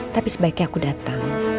tapi sebaiknya aku datang